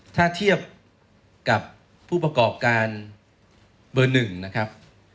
ถ้าเทียบกับผู้ประกอบการเบอร์๑นะครับ